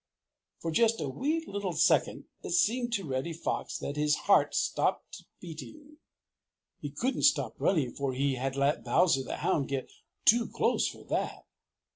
For just a wee little second it seemed to Reddy Fox that his heart stopped beating. He couldn't stop running, for he had let Bowser the Hound get too close for that.